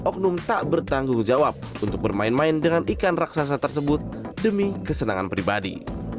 oknum tak bertanggung jawab untuk bermain main dengan ikan raksasa tersebut demi kesenangan pribadi